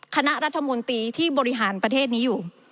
คณะรัฐมนตรีที่บริหารประเทศนี้อยู่